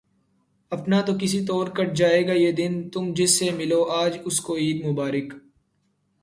اپنا تو کسی طور کٹ جائے گا یہ دن، تم جس سے ملو آج اس کو عید مبارک